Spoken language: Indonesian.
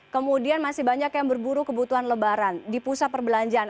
kemudian masih banyak yang berburu kebutuhan lebaran di pusat perbelanjaan